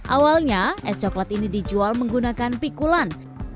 awalnya es coklat ini dijual menggunakan pikulan